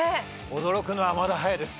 驚くのはまだ早いです。